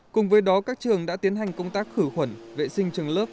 cùng với đó các trường đã tiến hành công tác khử khuẩn vệ sinh trường lớp